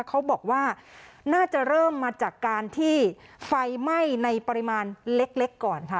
เขาบอกว่าน่าจะเริ่มมาจากการที่ไฟไหม้ในปริมาณเล็กก่อนค่ะ